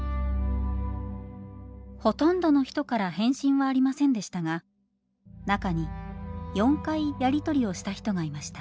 ほとんどの人から返信はありませんでしたが中に４回やりとりをした人がいました。